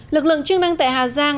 lực lượng chức năng tại hà giang